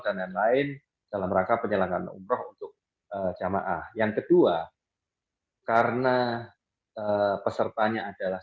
dan lain lain dalam rangka penyelenggara umroh untuk jamaah yang kedua karena pesertanya adalah